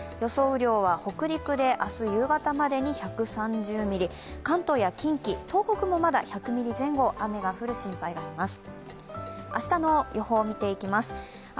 雨量は北陸で明日夕方までに１３０ミリ関東や近畿、東北もまだ１００ミリ前後、雨が降る心配があります。